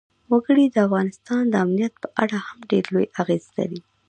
وګړي د افغانستان د امنیت په اړه هم ډېر لوی اغېز لري.